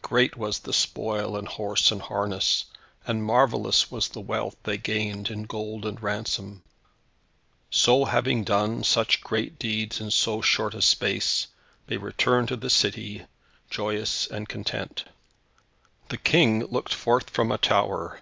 Great was the spoil in horse and harness, and marvellous was the wealth they gained in gold and ransom. So having done such great deeds in so short a space, they returned to the city, joyous and content. The King looked forth from a tower.